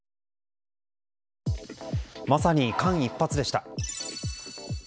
まさに間一髪でした。